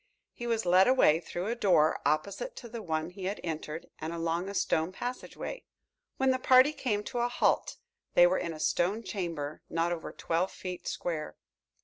He was led away, through a door opposite to the one he had entered and along a stone passageway. When the party came to a halt they were in a stone chamber, not over twelve feet square.